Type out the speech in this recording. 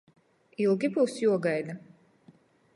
Ilgi byus juogaida?